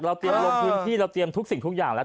เตรียมลงพื้นที่เราเตรียมทุกสิ่งทุกอย่างแล้ว